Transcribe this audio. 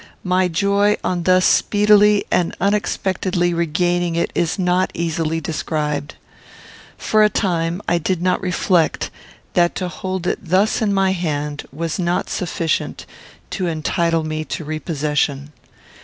My joy on thus speedily and unexpectedly regaining it is not easily described. For a time I did not reflect that to hold it thus in my hand was not sufficient to entitle me to repossession.